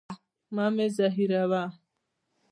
مه مي زهيروه.